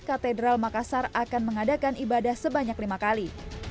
katedral makassar akan mengadakan ibadah sebanyak lima kali